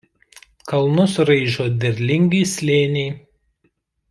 Kalnus raižo derlingi slėniai.